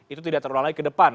itu tidak terulang lagi ke depan